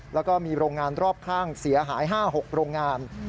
แล้วก็มีโรงงานรอบข้างเสียหาย๕๖โรงงาน